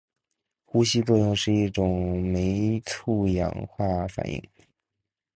呼吸作用是一种酶促氧化反应。